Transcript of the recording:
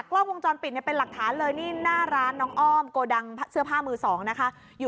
กล้องวงจรปิดเป็นหลักฐานเลย